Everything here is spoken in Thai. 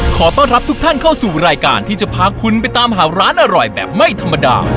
ขอต้อนรับทุกท่านเข้าสู่รายการที่จะพาคุณไปตามหาร้านอร่อยแบบไม่ธรรมดา